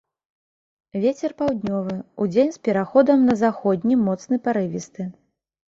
Вецер паўднёвы, удзень з пераходам на заходні моцны парывісты.